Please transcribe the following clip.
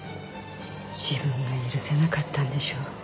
自分が許せなかったんでしょう。